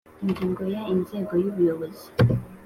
Ingingo ya Inzego y ubuyobozi